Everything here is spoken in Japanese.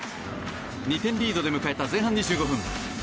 ２点リードで迎えた前半２５分。